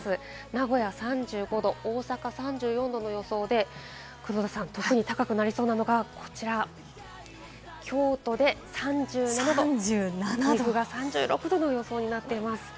名古屋３５度、大阪３４度の予想で黒田さん、特に高くなりそうなのがこちら、京都で３７度、岐阜３６度の予想になっています。